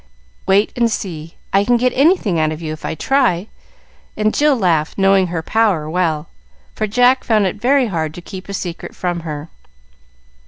"Wait and see; I can get anything out of you if I try;" and Jill laughed, knowing her power well, for Jack found it very hard to keep a secret from her.